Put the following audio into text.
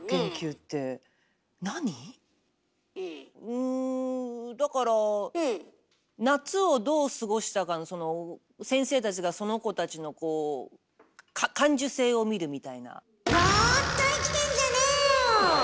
うぅだから夏をどう過ごしたかのその先生たちがその子たちのこう感受性を見るみたいな。